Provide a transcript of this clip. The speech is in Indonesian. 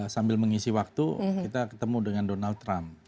sambil mengisi waktu kita ketemu dengan donald trump